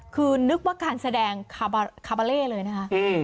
คือนึกว่าการแสดงคาบาเล่เลยนะคะ